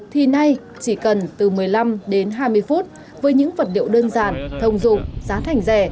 thì nay chỉ cần từ một mươi năm đến hai mươi phút với những vật liệu đơn giản thông dụng giá thành rẻ